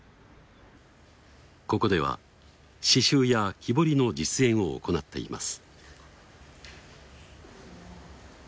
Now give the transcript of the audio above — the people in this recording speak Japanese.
ここでは刺しゅうや木彫りの実演を行っています。